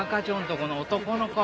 この男の子。